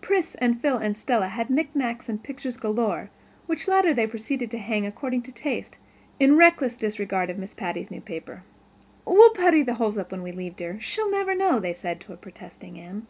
Pris and Phil and Stella had knick knacks and pictures galore, which latter they proceeded to hang according to taste, in reckless disregard of Miss Patty's new paper. "We'll putty the holes up when we leave, dear—she'll never know," they said to protesting Anne.